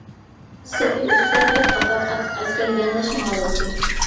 سېپىل ئۈستىدە تۆت قاتار ئاتلىق ئەسكەر يانداش ماڭالايتتى.